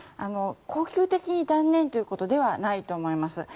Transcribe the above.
恒久的に断念ということではないと思います。